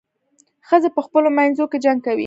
ښځې په خپلو منځو کې جنګ کوي.